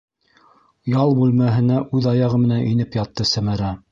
Ял бүлмәһенә үҙ аяғы менән инеп ятты Сәмәрә.